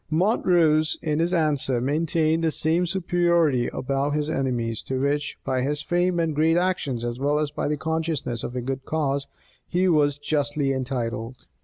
Montrose, in his answer, maintained the same superiority above his enemies, to which, by his fame and great actions, as well as by the consciousness of a good cause, he was justly entitled.